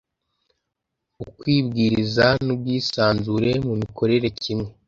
ukwibwiriza n ubwisanzure mu mikorere kimwe